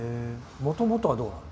もともとはどうなの？